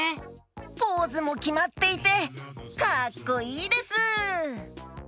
ポーズもきまっていてかっこいいです！